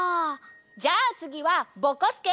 じゃあつぎはぼこすけ！